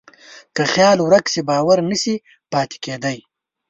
که خیال ورک شي، باور نهشي پاتې کېدی.